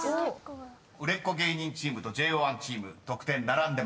［売れっ子芸人チームとＪＯ１チーム得点並んでます］